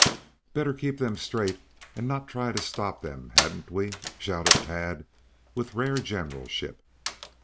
"Better keep them straight and not try to stop them, hadn't we?" shouted Tad, with rare generalship.